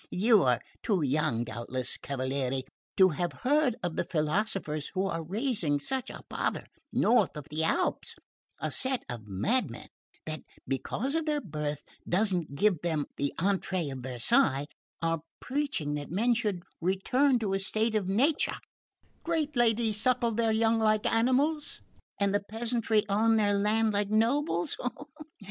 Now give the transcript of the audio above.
You are too young, doubtless, cavaliere, to have heard of the philosophers who are raising such a pother north of the Alps: a set of madmen that, because their birth doesn't give them the entree of Versailles, are preaching that men should return to a state of nature, great ladies suckle their young like animals, and the peasantry own their land like nobles.